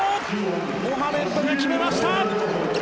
モハメッドが決めました。